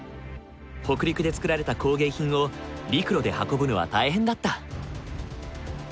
北陸で作られた工芸品を陸路で運ぶのは大変だった。